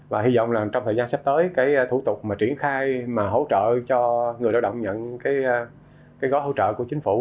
và hy vọng là trong thời gian sắp tới cái thủ tục mà triển khai mà hỗ trợ cho người lao động nhận cái gói hỗ trợ của chính phủ